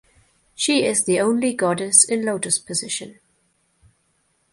She is the only goddess in lotus position.